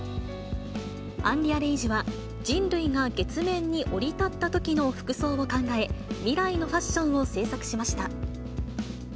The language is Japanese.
アンリアレイジは、人類が月面に降り立ったときの服装を考え、未来のファッションを制作しました。